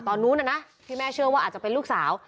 ตอนนู้นนะนะที่แม่เชื่อว่าอาจจะเป็นลูกสาว